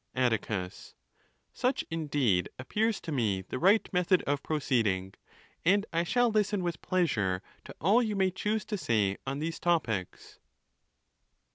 Atticus.—Such, indeed, appears to me the right method of proceeding, and T shall listen with pleasure to all you may choose to say on these topics.